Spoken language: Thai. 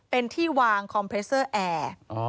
เป็นที่วางคอมเพรสเซอร์แอร์